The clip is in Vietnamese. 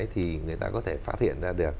thì người ta có thể phát hiện ra được